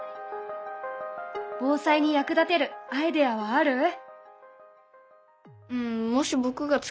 防災に役立てるアイデアはある？